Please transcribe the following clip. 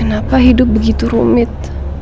kenapa hidup begitu rumit